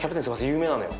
有名なのよ。